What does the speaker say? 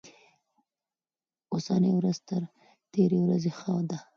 اوسنۍ ورځ تر تېرې ورځې ښه ده.